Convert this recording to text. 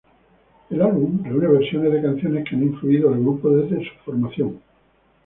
El álbum reúne versiones de canciones que han influido al grupo desde su formación.